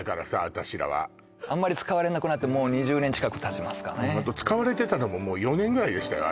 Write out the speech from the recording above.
私らはあんまり使われなくなってもう２０年近くたちますかね使われてたのも４年ぐらいでしたよ